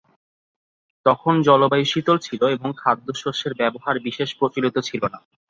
তখন জলবায়ু শীতল ছিল এবং খাদ্য-শস্যের ব্যবহার বিশেষ প্রচলিত ছিল না।